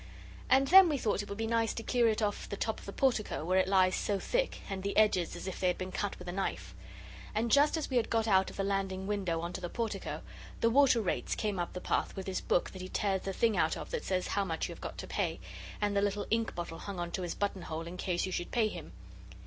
And then we thought it would be nice to clear it off the top of the portico, where it lies so thick, and the edges as if they had been cut with a knife. And just as we had got out of the landing window on to the portico, the Water Rates came up the path with his book that he tears the thing out of that says how much you have got to pay, and the little ink bottle hung on to his buttonhole in case you should pay him.